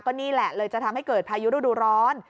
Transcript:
นี่แหละเลยจะทำให้เกิดพายุฤดูร้อน